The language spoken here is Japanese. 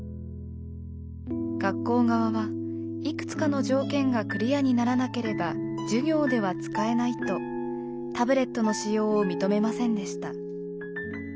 学校側はいくつかの条件がクリアにならなければ授業では使えないとタブレットの使用を認めませんでした。